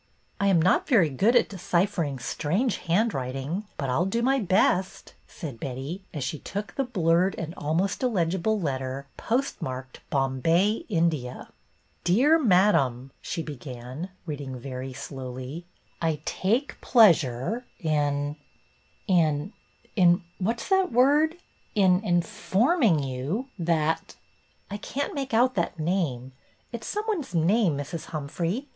" I am not very good at deciphering strange handwriting, but I 'll do my best," said Betty, as she took the blurred and almost illegible letter, postmarked Bombay, India. "' Dear Madam,' " she began, reading very slo wly, "' I — take — pi easu re — in — in — in —' what 's that word ?'— in — informing — you that —' I can't make out that name. It 's some one's name, Mrs. Humphrey.